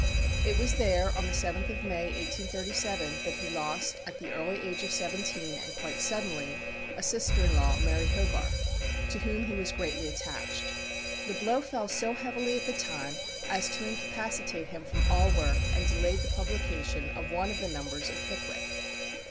It was there, on the 7th of May, 1837, that he lost, at the early age of seventeen, and quite suddenly, a sister in law, Mary Hogarth, to whom he was greatly attached. The blow fell so heavily at the time as to incapacitate him from all work, and delayed the publication of one of the numbers of "Pickwick."